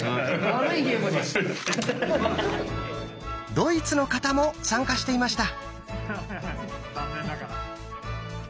ドイツの方も参加していました。